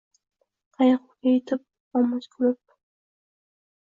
Qaygʼu yutib, omad kutib